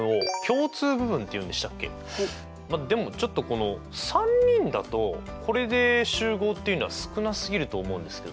まあでもちょっとこの３人だとこれで集合っていうのは少なすぎると思うんですけど。